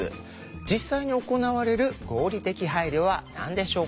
実際に行われる合理的配慮は何でしょうか？